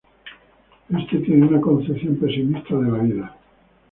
Este tiene una concepción pesimista de la vida.